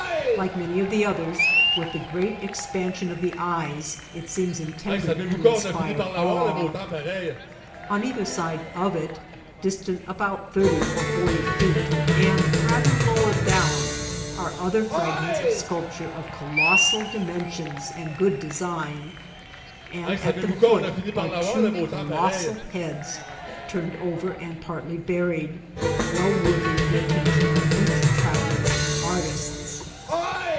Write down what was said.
Like many of the others, with the great expansion of the eyes it seems intended to inspire awe. On either side of it, distant about thirty or forty feet, and rather lower down, are other fragments of sculpture of colossal di* mensions and good design, and at the foot are two co lossal heads turned over and partly buried, well worthy the attention of future travellers and artists.